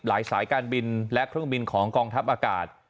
สายการบินและเครื่องบินของกองทัพอากาศ